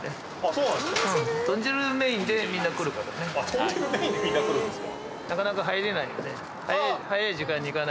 豚汁メインで皆来るんですか？